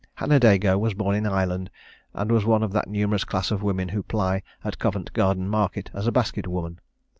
Hannah Dagoe was born in Ireland, and was one of that numerous class of women who ply at Covent Garden market as basket women.